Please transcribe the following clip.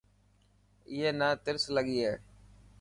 اي نا ترس لگي هي.